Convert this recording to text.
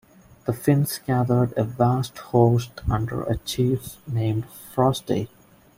The Finns gathered a vast host under a chief named Frosti.